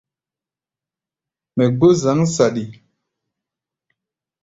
Mɛ gbó zǎŋ saɗi.